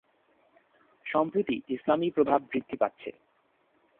সম্প্রতি ইসলামি প্রভাব বৃদ্ধি পাচ্ছে।